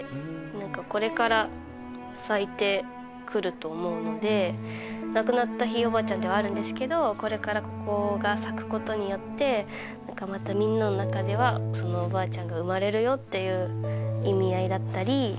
何かこれから咲いてくると思うので亡くなったひいおばあちゃんではあるんですけどこれからここが咲くことによって何かまたみんなの中ではおばあちゃんが生まれるよっていう意味合いだったり。